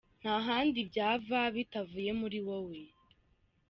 Nta handi byava bitavuye muri wowe.